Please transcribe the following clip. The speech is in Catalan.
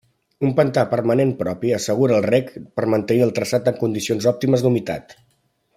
Un pantà permanent propi assegura el reg per mantenir el traçat en condicions òptimes d'humitat.